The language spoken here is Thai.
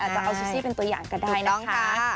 จะเอาซูซี่เป็นตัวอย่างก็ได้นะคะ